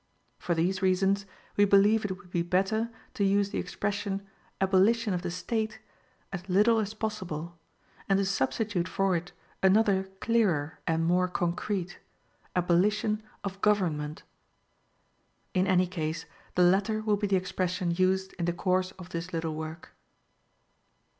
For these reasons, we believe it would be better to use the expression abolition of the State as little as possible, and to substitute for it another clearer and more concrete abolition of government. In any case, the latter will be the expression used in the course of this little work.